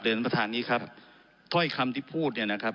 ถ้าอย่างคำที่พูดเนี่ยนะครับ